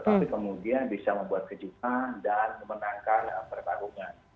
tapi kemudian bisa membuat kejutan dan memenangkan pertarungan